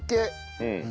うん。